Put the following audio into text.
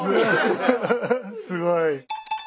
すごい。